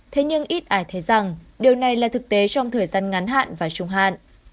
thế nhưng ít ai thấy rằng điều này là thực tế trong thời gian ngắn hạn và trung hạn